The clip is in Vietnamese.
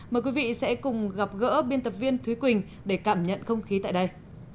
mời quý vị sẽ cùng gặp gỡ biên tập viên thúy quỳnh để cảm nhận không khí tại đây